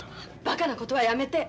ばかなことはやめて！